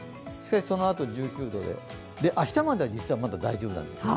そのあと１９度、明日まで実はまだ大丈夫なんです。